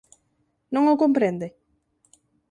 Non o comprende?